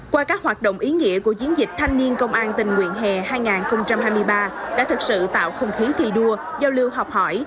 qua các hoạt động ý nghĩa của chiến dịch thanh niên công an tình nguyện hè hai nghìn hai mươi ba đã thực sự tạo không khí thi đua giao lưu học hỏi